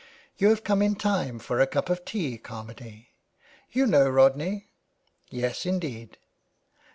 •' You have come in time for a cup of tea, Carmady. You know Rodney ?" "Yes, indeed."